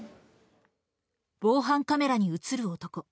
防犯カメラに写る男。